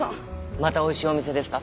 また美味しいお店ですか？